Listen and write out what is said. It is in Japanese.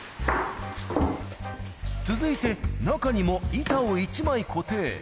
続いて、中にも板を１枚固定。